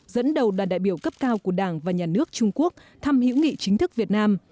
dẫn đầu đoàn đại biểu cấp cao của đảng và nhà nước trung quốc thăm hữu nghị chính thức việt nam